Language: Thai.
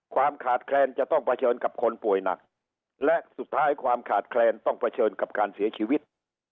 ความขาดแคลนจะต้องเผชิญกับคนป่วยหนักและสุดท้ายความขาดแคลนต้องเผชิญกับการเสียชีวิต